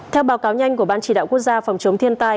theo báo cáo nhanh của ban chỉ đạo quốc gia phòng chống thiên tai